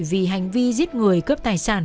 vì hành vi giết người cướp tài sản